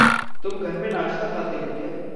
तुम घर में नाश्ता खाते हो क्या?